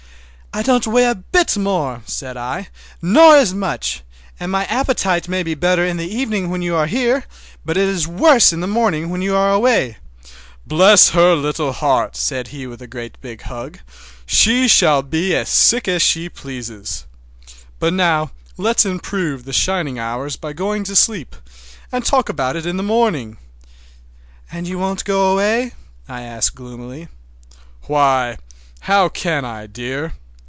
"I don't weigh a bit more," said I, "nor as much; and my appetite may be better in the evening, when you are here, but it is worse in the morning when you are away." "Bless her little heart!" said he with a big hug; "she shall be as sick as she pleases! But now let's improve the shining hours by going to sleep, and talk about it in the morning!" "And you won't go away?" I asked gloomily. "Why, how can I, dear?